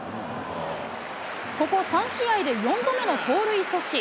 ここ３試合で、４度目の盗塁阻止。